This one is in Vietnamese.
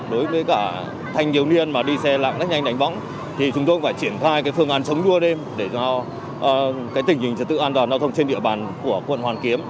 đối với cả thanh thiếu niên mà đi xe lạng lách nhanh đánh bóng thì chúng tôi cũng phải triển khai phương án sống chua đêm để cho tình hình trật tự an toàn giao thông trên địa bàn của quận hoàn kiếm